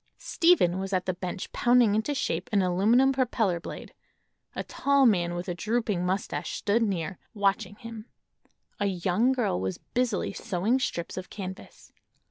Stephen was at the bench pounding into shape an aluminum propeller blade; a tall man with a drooping mustache stood near, watching him. A young girl was busily sewing strips of canvas.